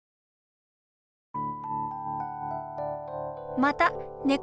またねこ